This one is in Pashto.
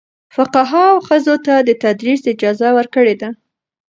فقهاء ښځو ته د تدریس اجازه ورکړې ده.